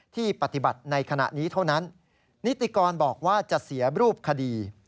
ที่ปฏิบัติในขณะนี้เท่านั้นนิติกรบอกว่าจะเสียรูปคดี